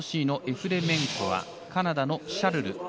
ＲＯＣのエフレメンコワカナダのシャルル